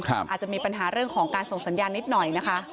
อาจจะมีปัญหาเรื่องของการส่งสัญญาณนิดหน่อยนะคะ